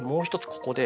ここで。